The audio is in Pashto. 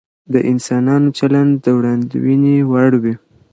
د انسانانو چلند د وړاندوينې وړ وي.